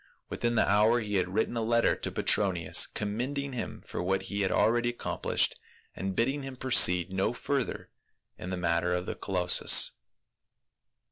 Within the hour he had written a letter to Petronius, commending him for what he had already accomplished, and bidding him proceed no further in the matter of the colossus.